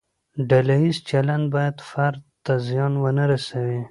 ډله ییز چلند باید فرد ته زیان ونه رسوي.